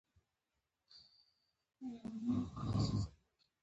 ژبه له آوازونو څخه رغېدلې او همدا آوازونه مانا خوندي کوي